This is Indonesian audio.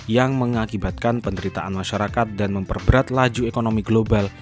yang mengakibatkan penderitaan masyarakat dan memperberat laju ekonomi global